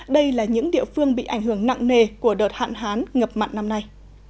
đây là những địa phương bị ảnh hưởng nặng nề của đợt hạn hán ngập mặn năm nay